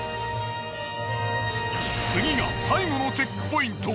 次が最後のチェックポイント。